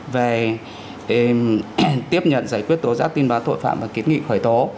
về tiếp nhận giải quyết tố giác tin báo tội phạm và kiến nghị khởi tố